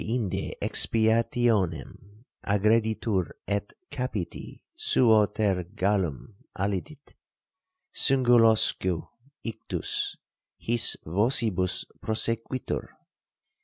Deinde expiationem aggreditur et capiti suo ter gallum allidit, singulosque ictus his vocibus prosequitur.